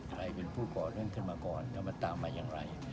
ใครเป็นผู้ก่อเรื่องขึ้นมาก่อนแล้วมันตามมาอย่างไร